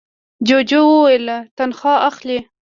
جوجو وویل تنخوا اخلې؟